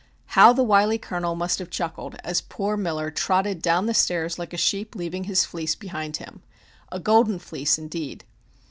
How the wily colonel must have chuckled as poor Miller trotted down the stairs like a sheep leaving his fleece behind him. A golden fleece indeed!